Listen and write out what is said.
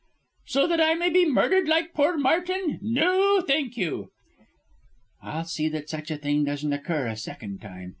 "So that I may be murdered like poor Martin. No, thank you." "I'll see that such a thing doesn't occur a second time.